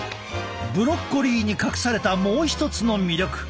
ブロッコリーに隠されたもう一つの魅力